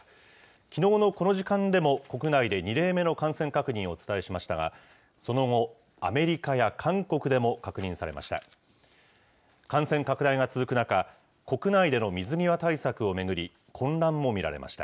きのうのこの時間でも国内で２例目の感染確認をお伝えしましたが、その後、アメリカや韓国でも感染が確認されました。